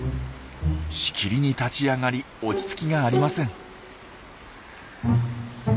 しきりに立ち上がり落ち着きがありません。